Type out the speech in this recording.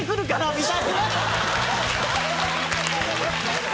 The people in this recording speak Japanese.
みたいな。